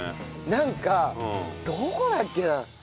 なんかどこだっけな？